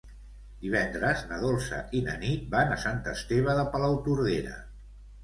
Divendres na Dolça i na Nit van a Sant Esteve de Palautordera.